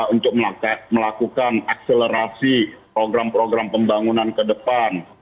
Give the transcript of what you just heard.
untuk melakukan akselerasi program pro pembangunan kedepan